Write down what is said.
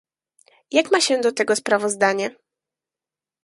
Jak ma się do tego sprawozdanie?